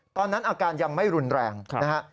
ตอนนั้นอาการยังไม่รุนแรงนะฮะ